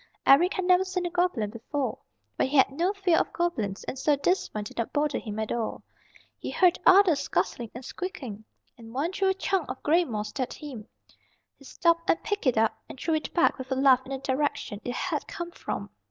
Eric had never seen a goblin before, but he had no fear of goblins, and so this one did not bother him at all. He heard others scuttling and squeaking, and one threw a chunk of gray moss at him. He stopped and picked it up and threw it back with a laugh in the direction it had come from.